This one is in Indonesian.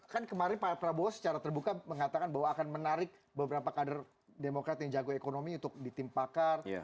kan kemarin pak prabowo secara terbuka mengatakan bahwa akan menarik beberapa kader demokrat yang jago ekonomi untuk di tim pakar